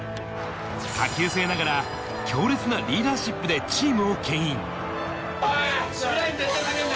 下級生ながら強烈なリーダーシップでチームをけん引。